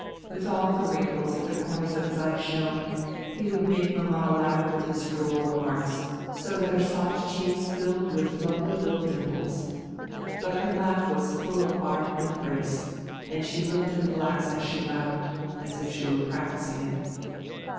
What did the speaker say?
With all the wrinkles at the corners of his eyes showing, he would make mamma laugh with his droll remarks, so that her soft cheeks filled with lovely little dimples. But her laugh was full of art and grace, and she looked in the glass as she laughed, as if she were practising it.